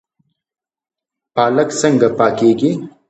پالک څنګه پاکیږي؟